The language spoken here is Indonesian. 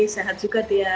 sehat juga tia